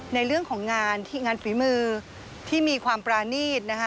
ในเรื่องของงานงานฝีมือที่มีความปรานีตนะคะ